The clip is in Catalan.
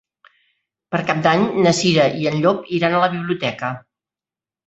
Per Cap d'Any na Cira i en Llop iran a la biblioteca.